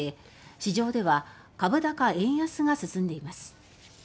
市場では株高・円安が進んでいます。